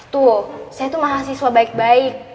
tuh saya tuh mahasiswa baik baik